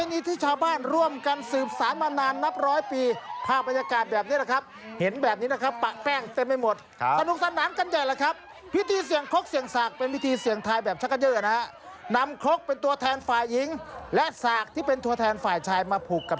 นี่แหละครับเทศกาลสงการที่ผ่านมานะครับ